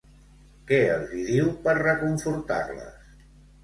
Què els hi diu per reconfortar-les?